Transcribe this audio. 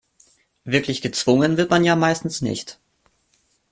Wirklich gezwungen wird man ja meistens nicht.